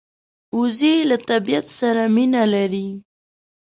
وزې له طبیعت سره مینه لري